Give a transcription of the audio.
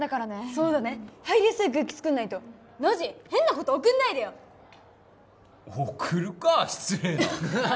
そうだね入りやすい空気つくんないとノジ変なこと送んないでよ送るか失礼な！